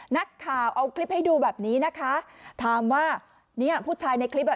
นักข่าวเอาคลิปให้ดูแบบนี้นะคะถามว่าเนี้ยผู้ชายในคลิปอ่ะ